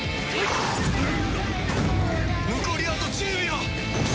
残りあと１０秒！